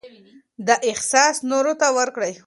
دا احساس نورو ته ورکړئ.